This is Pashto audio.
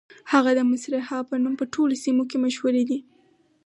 هغه د مصرعها په نوم په ټولو سیمو کې مشهورې دي.